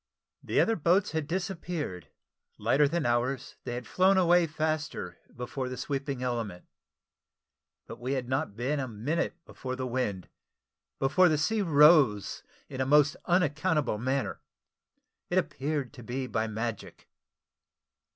The other boats had disappeared; lighter than ours, they had flown away faster before the sweeping element; but we had not been a minute before the wind, before the sea rose in a most unaccountable manner it appeared to be by magic.